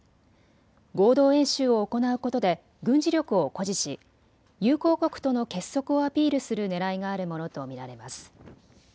合同演習を行うことで軍事力を誇示し友好国との結束をアピールするねらいがあるものと見られます。